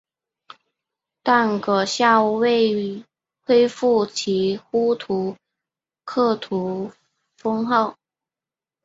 但噶厦未恢复其呼图克图封号。